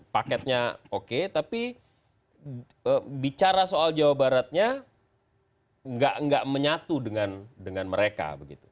paketnya oke tapi bicara soal jawa baratnya nggak menyatu dengan mereka begitu